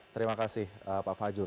terima kasih pak fajrul